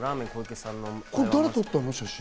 これ、誰が撮った写真？